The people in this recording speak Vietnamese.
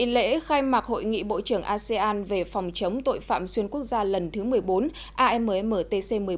lễ khai mạc hội nghị bộ trưởng asean về phòng chống tội phạm xuyên quốc gia lần thứ một mươi bốn ammtc một mươi bốn